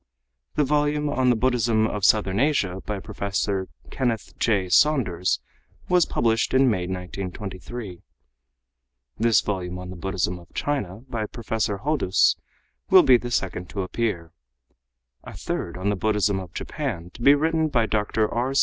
The volume on the Buddhism of Southern Asia by Professor Kenneth J. Saunders was published in May, 1923; this volume on the Buddhism of China by Professor Hodous will be the second to appear; a third on the Buddhism of Japan, to be written by Dr. R.